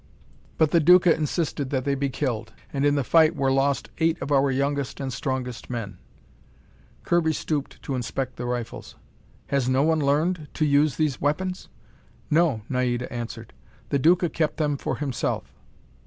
But the Duca insisted that they be killed, and in the fight were lost eight of our youngest and strongest men." Kirby stooped to inspect the rifles. "Has no one learned to use these weapons?" "No," Naida answered. "The Duca kept them for himself."